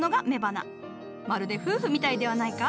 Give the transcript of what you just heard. まるで夫婦みたいではないか？